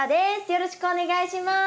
よろしくお願いします。